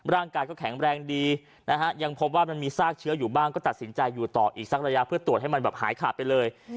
ร่างกายก็แข็งแรงดีนะฮะยังพบว่ามันมีซากเชื้ออยู่บ้างก็ตัดสินใจอยู่ต่ออีกสักระยะเพื่อตรวจให้มันแบบหายขาดไปเลย